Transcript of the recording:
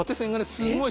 すごい